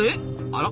あら？